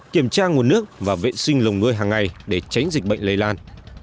kiểm tra nguồn nước và vệ sinh lồng nuôi hàng ngày để tránh dịch bệnh lây lan